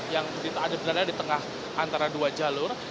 yang berada di tengah antara dua jalur